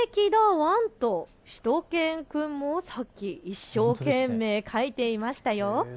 ワンとしゅと犬くんもさっき一生懸命書いていましたよ。